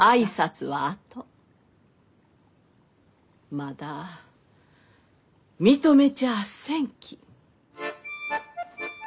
まだ認めちゃあせんき。